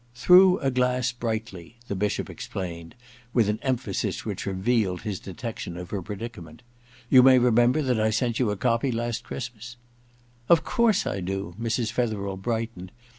•" Through a Glass Brightly," ' the Bishop explained, with an emphasis which revealed his detection of her predicament. * You may re member that I sent you a copy last Christmas ?' II EXPIATION 89 * Of course I do !* Mrs. Fetherel brightened.